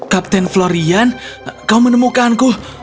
kapten florian kau menemukanku